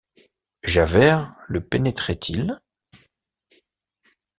Javert le pénétrait-il?